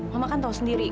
mama kan tahu sendiri